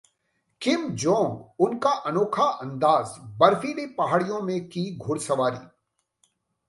किम Jong Un का अनोखा अंदाज, बर्फीली पहाड़ियों में की घुड़सवारी